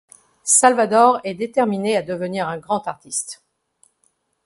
Salvador est déterminé à devenir un grand artiste.